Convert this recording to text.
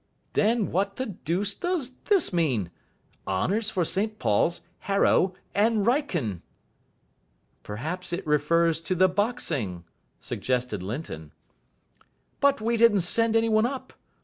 "Then what the deuce does this mean? 'Honours for St Paul's, Harrow, and Wrykyn'." "Perhaps it refers to the boxing," suggested Linton. "But we didn't send any one up.